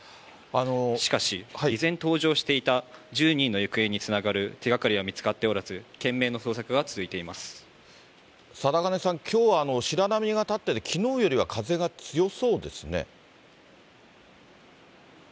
しかし、依然、搭乗していた１０人の行方につながる手がかりは見つかっておらず、貞包さん、きょうは白波が立ってて、きのうよりは風が強そうですね。